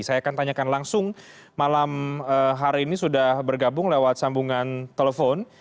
saya akan tanyakan langsung malam hari ini sudah bergabung lewat sambungan telepon